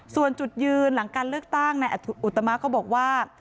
ส่วนจุดยืนหลังการเลือกตั้งในอุตมะก็บอกว่า